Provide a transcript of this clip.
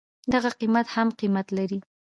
دغه قيمت هم قيمت لري.